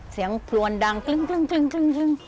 เสียงพลวนดังตึง